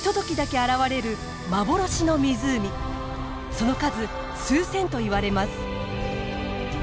その数数千といわれます。